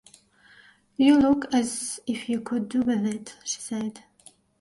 “You look as if you could do with it,” she said.